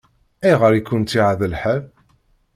Ayɣer i kent-iɣaḍ lḥal?